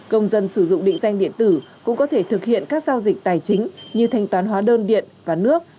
công dân sử dụng định danh điện tử cũng có thể thực hiện các giao dịch tài chính như thanh toán hóa đơn điện và nước